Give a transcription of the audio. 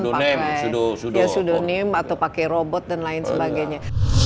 pake pseudonym atau pake robot dan lain sebagainya